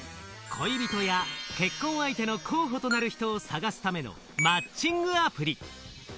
恋人や結婚相手の候補となる人を探すためのマッチングアプリ。